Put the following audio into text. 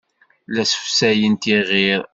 La ssefsayent iɣir.